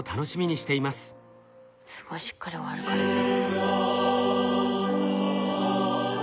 すごいしっかり歩かれて。